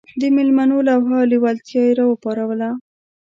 د مېلمنو لوهه او لېوالتیا یې راپاروله.